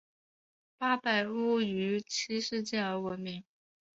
八百屋于七事件而闻名。